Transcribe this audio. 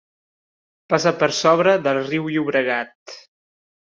Passa per sobre del riu Llobregat.